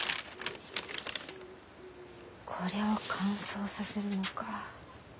これを乾燥させるのか。